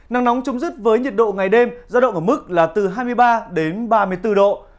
nắng nóng chấm dứt với nhiệt độ ngày đêm giao động ở mức là từ hai mươi ba đến ba mươi bốn độ